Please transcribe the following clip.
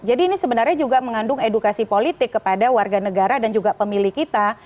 jadi ini sebenarnya juga mengandung edukasi politik kepada warga negara dan juga pemilih kita